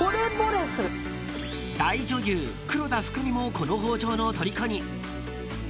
［大女優黒田福美もこの包丁のとりこに］